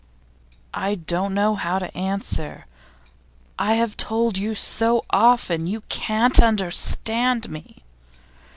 'I don't know how to answer. I have told you so often You can't understand me!